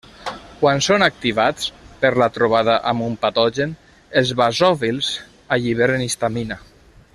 Quan són activats per la trobada amb un patogen, els basòfils alliberen histamina.